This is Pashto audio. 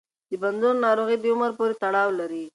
د بندونو ناروغي د عمر پورې تړاو لري.